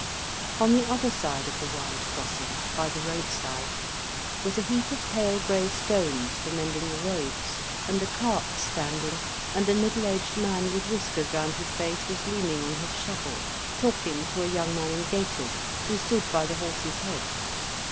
On the other side of the wide crossing, by the road side, was a heap of pale grey stones for mending the roads, and a cart standing, and a middle aged man with whiskers round his face was leaning on his shovel, talking to a young man in gaiters, who stood by the horse's head.